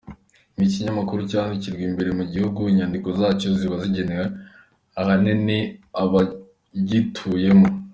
Nk’ikinyamakuru cyandikirwa imbere mu gihugu, inyandiko zacyo ziba zigenewe ahanini abagituyemo.